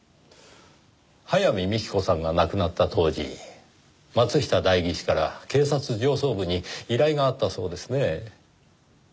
早見幹子さんが亡くなった当時松下代議士から警察上層部に依頼があったそうですねぇ。